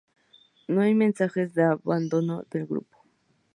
No hay mensajes de abandono del grupo.